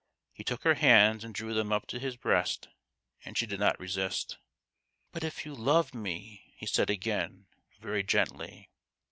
He took her hands and drew them up to his breast, and she did not resist. " But if you love me ?" he said again, very gently.